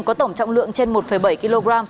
có tổng trọng lượng trên một bảy kg